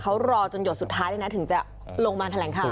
เขารอจนหยดสุดท้ายเลยนะถึงจะลงมาแถลงข่าว